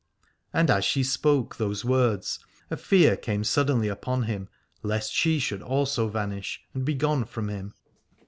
And as she spoke those words a fear came suddenly upon him lest she also should vanish and be gone from him.